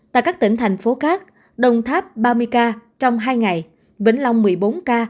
tại các tỉnh thành phố khác đồng tháp ba mươi ca trong hai ngày vĩnh long một mươi bốn ca